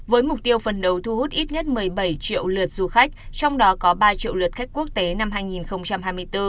với mục tiêu phần đầu thu hút ít nhất một mươi bảy triệu lượt du khách trong đó có ba triệu lượt khách quốc tế năm hai nghìn hai mươi bốn